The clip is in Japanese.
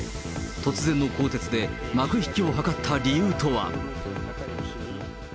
突然の更迭で、幕引きを図った理由とは？